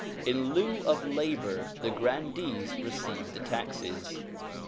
In lieu of labor the grandees received the taxes.